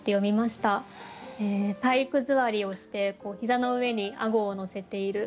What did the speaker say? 体育座りをして膝の上に顎をのせている。